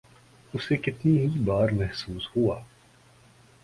اسے کتنی ہی بار محسوس ہوا۔